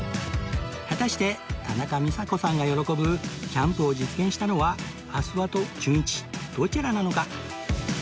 果たして田中美佐子さんが喜ぶキャンプを実現したのは阿諏訪とじゅんいちどちらなのか？